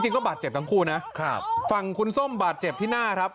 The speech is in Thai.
บาดเจ็บทั้งคู่นะครับฝั่งคุณส้มบาดเจ็บที่หน้าครับ